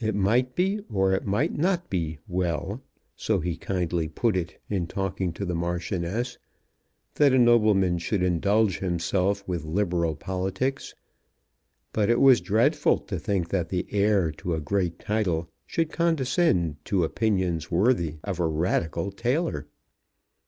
It might be, or it might not be, well, so he kindly put it in talking to the Marchioness, that a nobleman should indulge himself with liberal politics; but it was dreadful to think that the heir to a great title should condescend to opinions worthy of a radical tailor.